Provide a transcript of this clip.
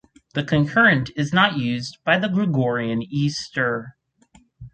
The concurrent is not used by the Gregorian Easter.